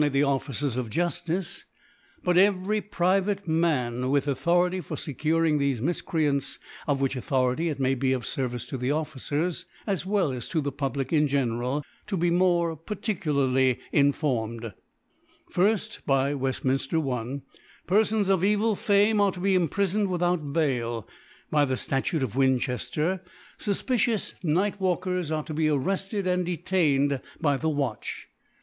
the Officers of Juftice, Nt ev^ry private Mijin, with Authority for feicuring thefe Mifcrcants, of which Authority it may be ef Service to the Officers, as well as to the Public ra general* to be more particiilarly informed, Fir/l^ By * fVi^f^er I. Perfons of evH Fame are to be imprifoned withodt Bail, By the Statute of fVincbepr f, fafpicipU5 Night walfccrs are to be arretted and dc lained by the Watch.